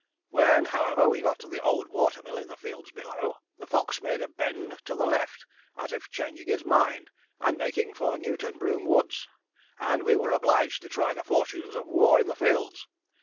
When, however, we got to the old water mill in the fields below, the fox made a bend to the left, as if changing his mind, and making for Newtonbroome Woods, and we were obliged to try the fortunes of war in the fields.